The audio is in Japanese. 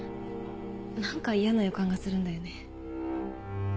何か嫌な予感がするんだよね。